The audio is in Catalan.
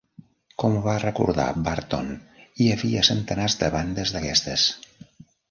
Com va recordar Barton: hi havia centenars de bandes d'aquestes.